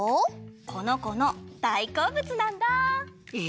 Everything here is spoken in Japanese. このこのだいこうぶつなんだ。え？